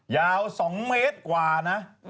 ยาว๒เมตรกว่านะ